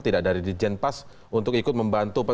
tidak dari di jenpas untuk ikut membantu